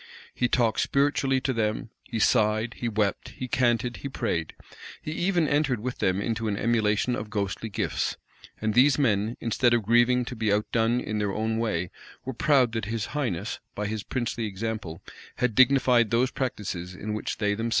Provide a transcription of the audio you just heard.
He talked spiritually to *them; he sighed he wept, he canted, he prayed. He even entered with them into an emulation of ghostly gifts, and these men, instead of grieving to be outdone in their own way, were proud that his highness, by his princely example, had dignified those practices in which they themselves were daily occupied.